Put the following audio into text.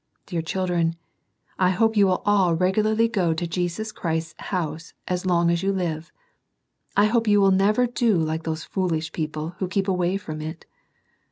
Dear children, I hope you will all regularly go to Jesus Christ's house as long as you live. I hope you will never do like those foolish people who keep away from it.